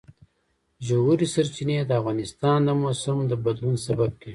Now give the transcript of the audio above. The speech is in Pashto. ژورې سرچینې د افغانستان د موسم د بدلون سبب کېږي.